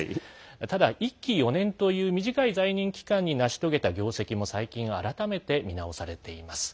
ただ、１期４年という短い在任期間に成し遂げた業績も最近改めて見直されています。